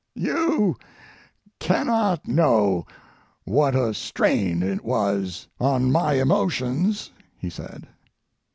] You cannot know what a strain it was on my emotions [he said].